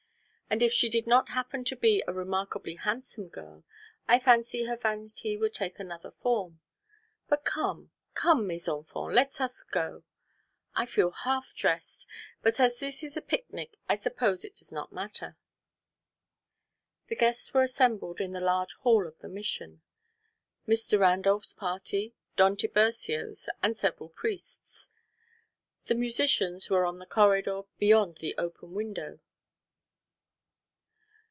"And if she did not happen to be a remarkably handsome girl, I fancy her vanity would take another form. But come, come, mes enfants, let us go. I feel half dressed; but as this is a picnic I suppose it does not matter." The guests were assembled in the large hall of the Mission: Mr. Randolph's party, Don Tiburcio's, and several priests. The musicians were on the corridor beyond the open window.